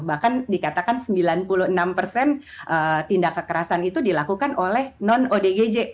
bahkan dikatakan sembilan puluh enam persen tindak kekerasan itu dilakukan oleh non odgj